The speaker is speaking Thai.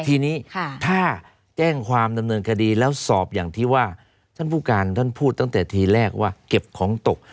ทีนี้ถ้าแจ้งความดำเนินคดีแล้วสอบอย่างที่ว่าท่านผู้การท่านพูดตั้งแต่ทีแรกว่าเก็บของตก